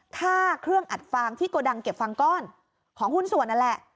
ค่าเครื่องอัดฟางที่โกดังเก็บฟังก้อนของหุ้นส่วนนั่นแหละ